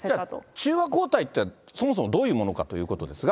中和抗体って、そもそもどういうものかということですが。